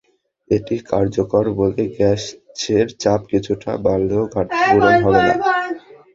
এটি কার্যকর হলে গ্যাসের চাপ কিছুটা বাড়লেও ঘাটতি পূরণ হবে না।